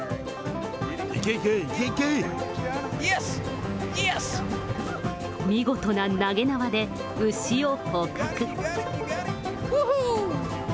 行け行け、見事な投げ縄で牛を捕獲。